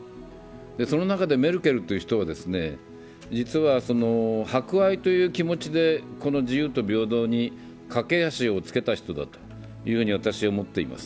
その中でメルケルという人は、実は博愛という気持ちでこの自由と平等に架け橋をつけた人だと私は思っています。